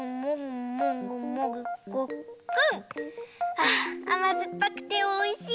ああまずっぱくておいしい！